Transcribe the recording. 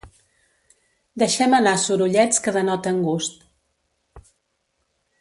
Deixem anar sorollets que denoten gust.